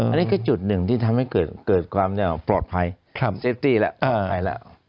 อันดนี้คือจุดหนึ่งที่ทำให้เกิดความปลอดภัยเจฟตี้แล้ว